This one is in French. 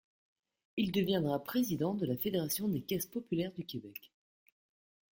Il deviendra président de la Fédération des Caisses populaires du Québec.